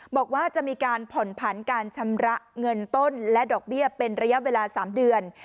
บอกว่าจะมีการผ่อนผันการชำระเงินต้นและดอกเบี้ยเป็นระยะเวลา๓เดือน